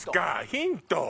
ヒント！